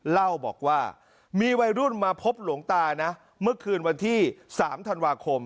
เล่าบอกว่ามีวัยรุ่นมาพบหลวงตานะเมื่อคืนวันที่๓ธันวาคม